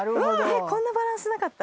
こんなバランスなかった？